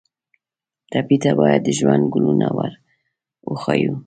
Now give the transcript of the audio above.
ټپي ته باید د ژوند ګلونه ور وښیو.